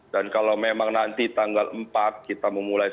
dan kalau memang nanti tanggal empat kita memulai